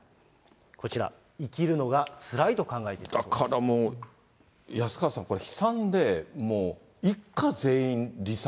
こちら、生きるのがつらいとだからもう、安川さん、これ離散でもう一家全員離散。